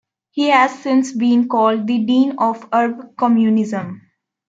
He has since been called the dean of Arab communism.